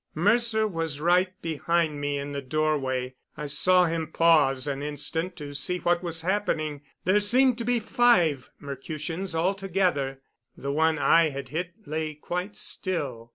Mercer was right behind me in the doorway. I saw him pause an instant to see what was happening. There seemed to be five Mercutians altogether. The one I had hit lay quite still.